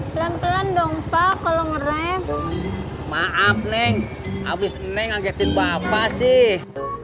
pelan pelan dong pak kalau ngerem maaf neng habis neng anggetin bapak sih